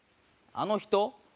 あの人？